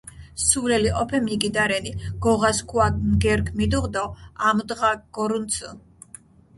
სულელი ჸოფე მიგიდა რენი, გოღა სქუა ნგერქჷ მიდუღჷ დო ამუდღა გორჷნცჷ.